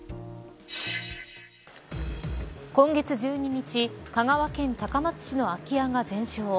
今月１２日香川県高松市の空き家が全焼。